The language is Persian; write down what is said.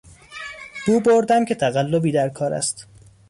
بو بردم که تقلبی در کار است.